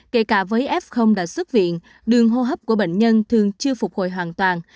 kể cả với f đã xuất viện đường hô hấp của bệnh nhân thường chưa phục hồi hoàn toàn